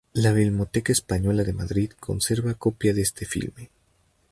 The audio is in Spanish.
La Filmoteca Española de Madrid conserva copia de este filme.